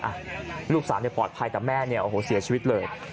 อ่ะลูกสาวเนี่ยปลอดภัยแต่แม่เนี่ยโอ้โหเสียชีวิตเลย